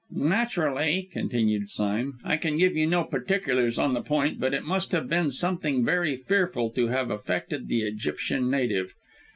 "Naturally," continued Sime, "I can give you no particulars on the point, but it must have been something very fearful to have affected the Egyptian native!